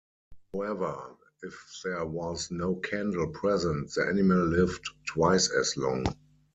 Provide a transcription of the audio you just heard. However, if there was no candle present the animal lived twice as long.